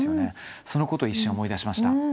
そのことを一瞬思い出しました。